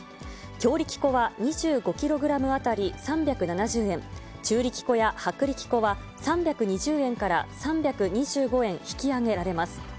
強力粉は２５キログラム当たり３７０円、中力粉や薄力粉は３２０円から３２５円引き上げられます。